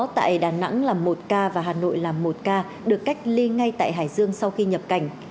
tại đà nẵng là một ca và hà nội là một ca được cách ly ngay tại hải dương sau khi nhập cảnh